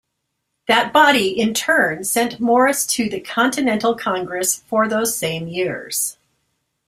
That body, in turn, sent Morris to the Continental Congress for those same years.